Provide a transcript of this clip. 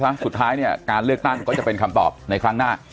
สุดท้ายเนี่ยการเลือกตั้งก็จะเป็นคำตอบในครั้งหน้า